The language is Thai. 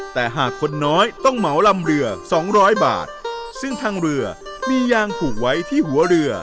แต่หากคนน้อยต้องเหมาลำเรือสองร้อยบาทซึ่งทางเรือมียางผูกไว้ที่หัวเรือ